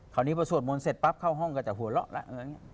คราวนี้พอสวดมนต์เสร็จปั๊บเข้าห้องก็จะหัวเหลาะอะอย่างนี้